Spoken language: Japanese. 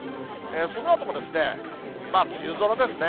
そのあとも梅雨空ですね。